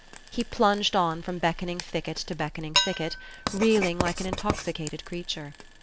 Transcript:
He plunged on from beckoning thicket to beckoning thicket, reeling like an intoxicated creature.